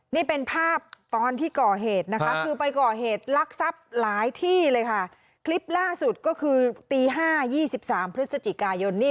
นี่เป็นภาพตอนที่ก่อเหตุนะคะคือไปก่อเหตุลักษัพหลายที่เลยค่ะคลิปล่าสุดก็คือตี๕๒๓พฤศจิกายน